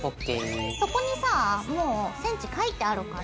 そこにさあもうｃｍ書いてあるから。